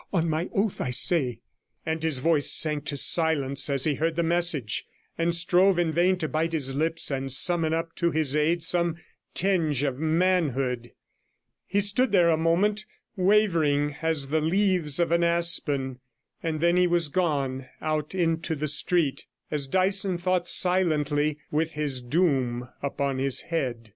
On my oath, I say ' and his voice sank to silence as he heard the message, and strove in vain to bite his lips, and summon up to his aid some tinge of manhood. He stood there a moment, wavering as the leaves of an aspen, and then he was gone out into the street, as Dyson thought silently, with his doom upon his head.